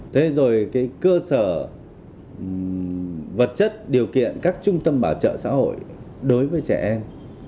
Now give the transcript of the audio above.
thế rồi cái cơ sở vật chất điều kiện các trung tâm bảo trợ xã hội đối với trẻ em